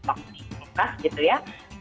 tok di kulkas gitu ya